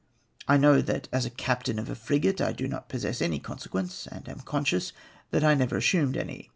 I know that as a captain of a frigate I do not possess any consequence, and am conscious that I never assumed any.